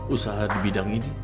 usaha di bidang ini